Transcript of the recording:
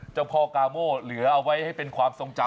เจ้าพ่อกาโม่เหลือเอาไว้ให้เป็นความทรงจำ